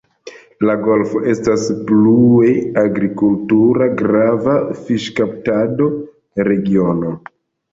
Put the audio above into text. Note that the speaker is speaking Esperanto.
La golfo estas plue agrikulture grava fiŝkaptado-regiono.